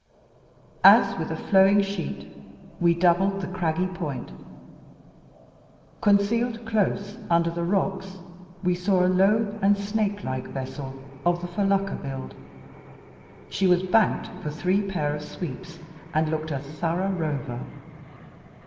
As, with a flowing sheet, we doubled the craggy point, concealed close under the rocks we saw a low and snake like vessel, of the felucca build. She was banked for three pair of sweeps, and looked a thorough rover.